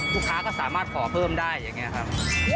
ลูกค้าก็สามารถขอเพิ่มได้อย่างนี้ครับ